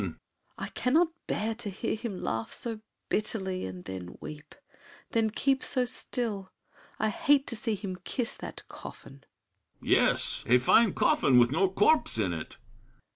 SAVERNY. I cannot bear to hear Him laugh so bitterly, then weep; then keep So still! I hate to see him kiss that coffin. BRICHANTEAU. Yes—a fine coffin with no corpse in it!